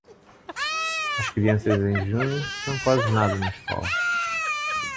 As crianças em junho são quase nada na escola.